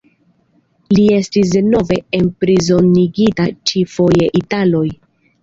Li estis denove enprizonigita, ĉi-foje de italoj.